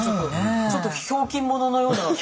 ちょっとひょうきん者のような。